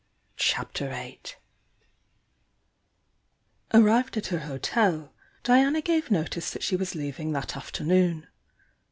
CHAPTER VIII ABBiVBa) at her hotel, Diana gave notice that she was leaving that afternoon.